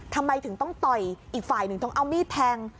ทำไมถึงต้องต่อยอีกฝ่ายหนึ่งต้องเอามีดแทง